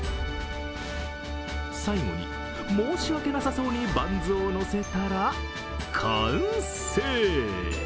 最後に申し訳なさそうにバンズを乗せたら、完成。